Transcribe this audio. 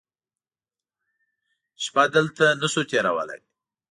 شپه دلته نه شو تېرولی.